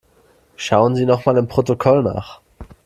Schauen Sie nochmal im Protokoll nach.